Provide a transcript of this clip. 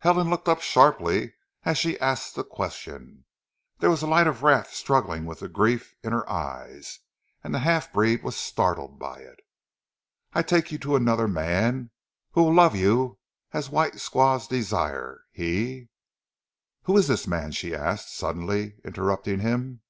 Helen looked up sharply as she asked the question. There was a light of wrath struggling with the grief in her eyes and the half breed was startled by it. "I tak' you to anodder man who weel lov' you as white squaws desire. He " "Who is this man?" she asked, suddenly interrupting him.